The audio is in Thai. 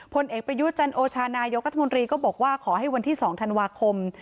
ผลเอกประยุทธ์จันโอชานายกรัฐมนตรีก็บอกว่าขอให้วันที่๒ธันวาคม